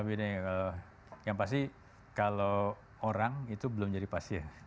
bedanya kalau yang pasti kalau orang itu belum jadi pasien